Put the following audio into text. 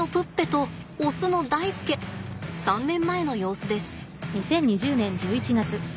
３年前の様子です。